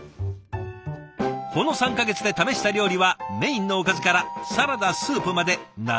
この３か月で試した料理はメインのおかずからサラダスープまで７０品以上。